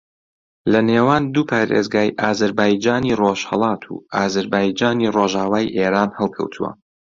لە نێوان دوو پارێزگای ئازەربایجانی ڕۆژھەڵات و ئازەربایجانی ڕۆژاوای ئێران ھەڵکەوتووە